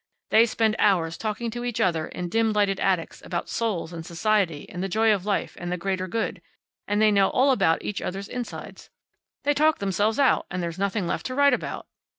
They spend hours talking to each other, in dim lighted attics, about Souls, and Society, and the Joy of Life, and the Greater Good. And they know all about each other's insides. They talk themselves out, and there's nothing left to write about.